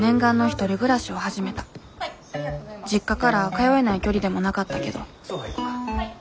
実家から通えない距離でもなかったけど。